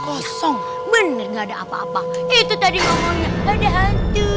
kosong bener gak ada apa apa itu tadi ngomongnya pada hantu